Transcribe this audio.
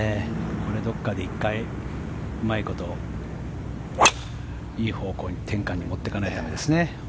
これ、どこかで１回うまいこといい方向に持っていかないといけないですね。